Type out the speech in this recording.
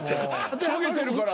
しょげてるから。